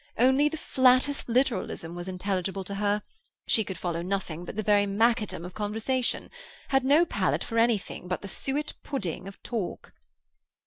Only the flattest literalism was intelligible to her; she could follow nothing but the very macadam of conversation—had no palate for anything but the suet pudding of talk."